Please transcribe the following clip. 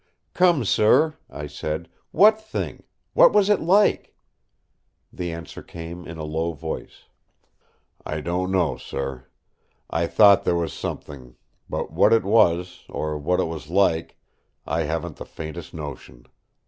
"Come, sir," I said, "what thing; what was it like?" The answer came in a low voice: "I don't know, sir. I thought there was something; but what it was, or what it was like, I haven't the faintest notion.